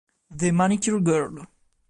The Manicure Girl